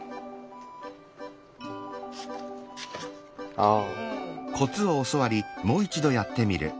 ああ。